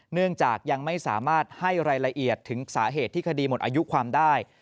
เนื่องจากยังไม่สามารถให้รายละเอียดถึงสาเหตุที่คดีหมดอายุความได้